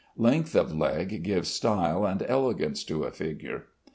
Length of leg gives style and elegance to a figure.